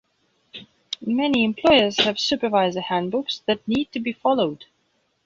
Many employers have supervisor handbooks that need to be followed.